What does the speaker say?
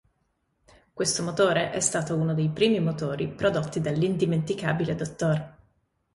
Questo motore è stato uno dei primi motori prodotti dall'indimenticabile dott.